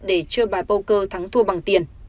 để chơi bài poker thắng thua bằng tiền